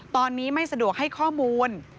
ตอนนี้ไม่สะดวกให้ข้อมูล